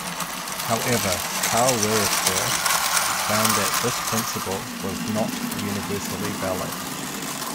However, Karl Weierstrass found that this principle was not universally valid.